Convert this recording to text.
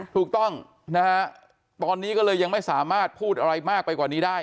ถูกต้องนะฮะตอนนี้ก็เลยยังไม่สามารถพูดอะไรมากไปกว่านี้ได้